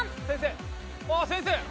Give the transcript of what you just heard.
先生！